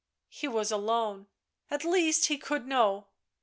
He was alone. At least he could know.